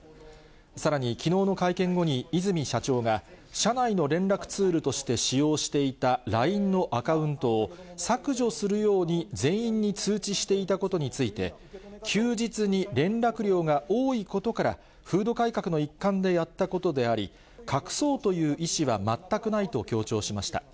さらにきのうの会見後に、和泉社長が、社内の連絡ツールとして使用していたＬＩＮＥのアカウントを削除するように全員に通知していたことについて、休日に連絡量が多いことから、風土改革の一環でやったことであり、隠そうという意思は全くないと強調しました。